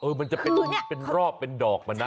เออมันจะเป็นรอบเป็นดอกมันนะ